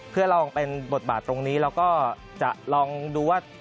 เพื่อลองเป็นบทบาทตรงนี้เราก็จะลองดูว่า